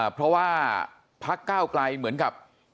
เพราะว่าพักเก้าไกลเหมือนกับ